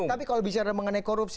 tapi kalau bicara mengenai korupsi